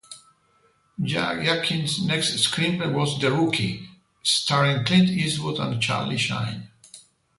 Yakin's next screenplay was "The Rookie", starring Clint Eastwood and Charlie Sheen.